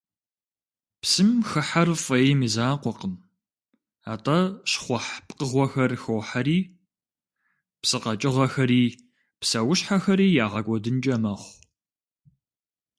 Псым хыхьэр фӀейм и закъуэкъым, атӀэ щхъухь пкъыгъуэхэр хохьэри псы къэкӀыгъэхэри псэущхьэхэри ягъэкӀуэдынкӀэ мэхъу.